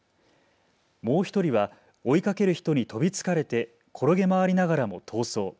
もう１人は追いかける人に飛びつかれて転げ回りながらも逃走。